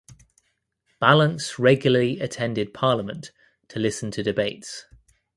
Ballance regularly attended Parliament to listen to debates.